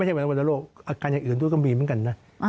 ไม่ใช่วันโลกอาการอย่างอื่นด้วยก็มีเหมือนกันนะ